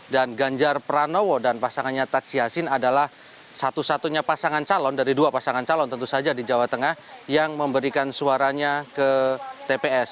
ganjar pranowo dan pasangannya tadsyasin adalah satu satunya pasangan calon dari dua pasangan calon tentu saja di jawa tengah yang memberikan suaranya ke tps